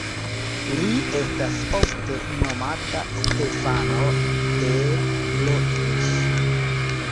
Li estas ofte nomata Stefano de Blois.